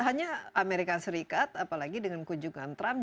hanya amerika serikat apalagi dengan kunjungan trump